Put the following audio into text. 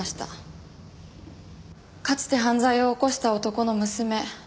かつて犯罪を起こした男の娘。